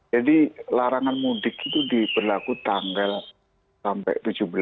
larangan mudik itu diberlaku tanggal sampai tujuh belas